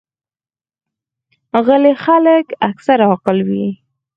غلي خلک اکثره عاقل وي.